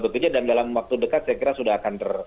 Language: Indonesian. bekerja dan dalam waktu dekat saya kira sudah akan